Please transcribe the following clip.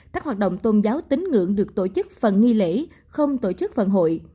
các hoạt động tôn giáo tính ngưỡng được tổ chức phần nghi lễ không tổ chức phần hội